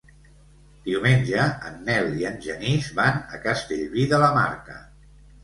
Diumenge en Nel i en Genís van a Castellví de la Marca.